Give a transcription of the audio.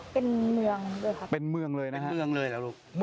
ปัชฌาหัศจนดีรวมผล